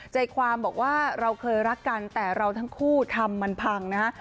ใจความบอกว่าเราเคยรักกันแต่เราทั้งคู่ทำมันพังนะฮะ